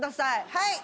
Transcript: はい。